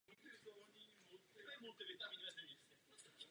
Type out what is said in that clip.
Profesně se uvádí jako zemědělec a zemědělský inženýr.